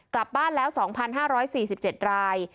กลับบ้านแล้ว๒๕๔๗ราย